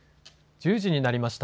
１０時になりました。